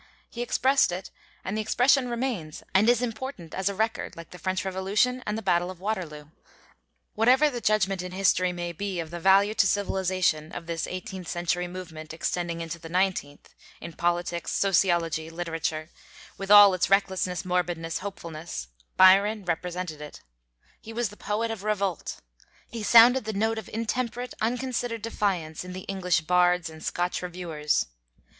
He expressed it, and the expression remains and is important as a record, like the French Revolution and the battle of Waterloo. Whatever the judgment in history may be of the value to civilization of this eighteenth century movement extending into the nineteenth, in politics, sociology, literature, with all its recklessness, morbidness, hopefulness, Byron represented it. He was the poet of Revolt. He sounded the note of intemperate, unconsidered defiance in the 'English Bards and Scotch Reviewers.'